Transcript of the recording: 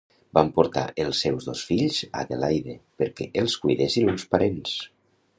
Van portar els seus dos fills a Adelaide perquè els cuidessin uns parents.